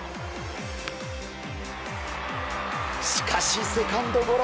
しかしセカンドゴロ。